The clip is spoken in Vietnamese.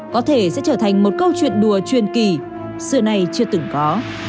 có thể sẽ trở thành một câu chuyện đùa truyền kỳ sự này chưa từng có